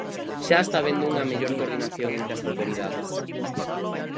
Xa está habendo unha mellor coordinación entre as autoridades.